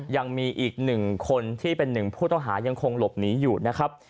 ยังมีอีกหนึ่งคนที่เป็นหนึ่งผู้ต้องหายังคงหลบหนีอยู่นะครับ